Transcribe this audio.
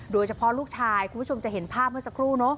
โดยเฉพาะลูกชายคุณผู้ชมจะเห็นภาพเมื่อสักครู่